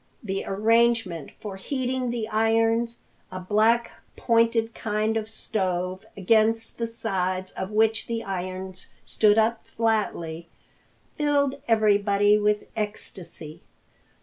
The arrangement for heating the irons, a black, pointed kind of stove against the sides of which the irons stood up flatly, filled everybody with ecstasy.